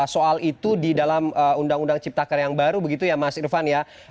soal itu di dalam undang undang cipta kerja yang baru begitu ya mas irfan ya